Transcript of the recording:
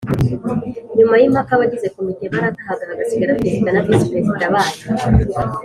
Nyumay’impaka abagize komite baratahaga hagasigara Perezida na Visi-Perezida bayo